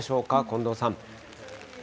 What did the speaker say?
近藤さん。